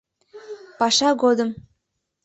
Паша годым